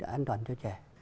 an toàn cho trẻ